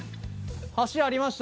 橋ありました。